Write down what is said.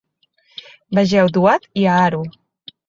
Vegeu Duat i Aaru.